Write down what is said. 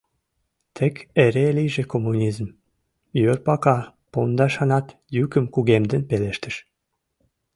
— Тек эре лийже коммунизм! — йорпака пондашанат йӱкым кугемден пелештыш.